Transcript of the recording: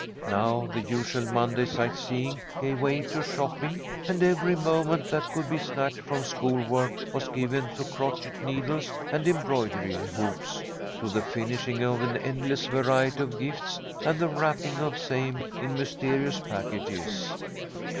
Now the usual Monday sightseeing gave way to shopping, and every moment that could be snatched from school work was given to crochet needles and embroidery hoops, to the finishing of an endless variety of gifts, and the wrapping of same in mysterious packages.